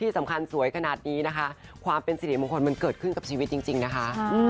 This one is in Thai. สำคัญสวยขนาดนี้นะคะความเป็นสิริมงคลมันเกิดขึ้นกับชีวิตจริงนะคะ